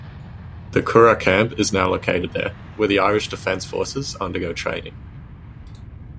The Curragh Camp is now located there, where the Irish Defence Forces undergo training.